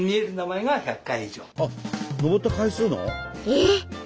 えっ！